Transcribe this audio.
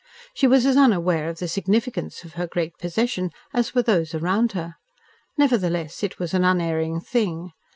She was as unaware of the significance of her great possession as were those around her. Nevertheless it was an unerring thing.